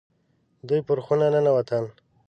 دوی پر خونه ننوتل.